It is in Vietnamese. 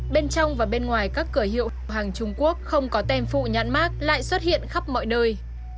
bên trong và bên ngoài các cửa hiệu hàng trung quốc không có tem phụ nhãn mát lại xuất hiện khắp mọi nơi